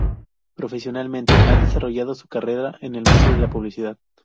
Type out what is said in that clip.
Profesionalmente ha desarrollado su carrera en el mundo de la publicidad.